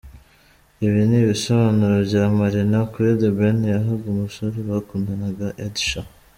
Ibi ni ibisobanuro bya Marina kuri The Ben yahaga umusore bakundanaga Edsha.